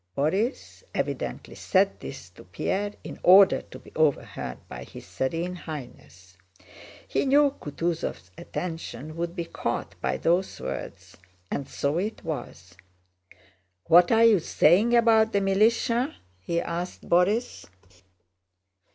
Borís evidently said this to Pierre in order to be overheard by his Serene Highness. He knew Kutúzov's attention would be caught by those words, and so it was. "What are you saying about the militia?" he asked Borís.